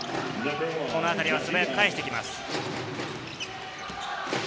このあたりは素早く返していきます。